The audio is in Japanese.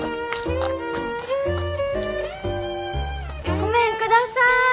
ごめんください。